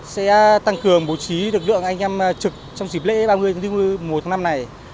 sẽ tăng cường bố trí được lượng anh em trực trong dịp lễ ba mươi một tháng năm này